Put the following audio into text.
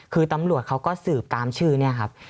คือตำรวจเขาก็สืบตามชื่อเนี่ยครับ